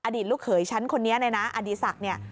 อดีตลูกเขยฉันคนนี้เนี่ยนะอดีศักดิ์เนี่ย